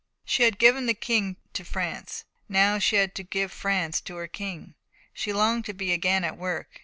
She had given a king to France, now she had to give France to her King. She longed to be again at work.